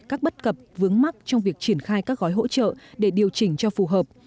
các bất cập vướng mắc trong việc triển khai các gói hỗ trợ để điều chỉnh cho phù hợp